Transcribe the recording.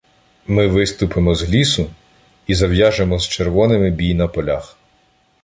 Ми виступимо з лісу і зав'яжемо з червоними бій на полях.